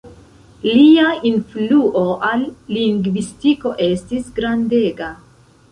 Lia influo al lingvistiko estis grandega.